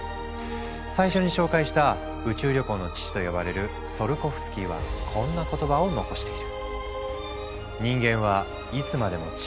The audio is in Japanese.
最初に紹介した「宇宙旅行の父」と呼ばれるツィオルコフスキーはこんな言葉を残している。